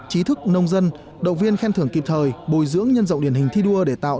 trí thức nông dân động viên khen thưởng kịp thời bồi dưỡng nhân rộng điển hình thi đua để tạo